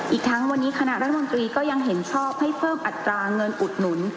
อีกทั้งวันนี้คณะรัฐมนตรีก็ยังเห็นชอบให้เพิ่มอัตราเงินอุดหนุน